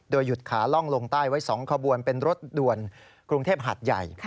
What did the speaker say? หยุดขาล่องลงใต้ไว้๒ขบวนเป็นรถด่วนกรุงเทพหาดใหญ่